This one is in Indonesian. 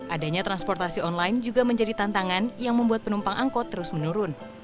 adanya transportasi online juga menjadi tantangan yang membuat penumpang angkot terus menurun